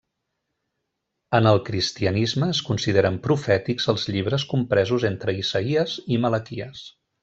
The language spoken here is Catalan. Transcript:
En el Cristianisme, es consideren profètics els llibres compresos entre Isaïes i Malaquies.